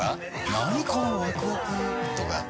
なにこのワクワクとか。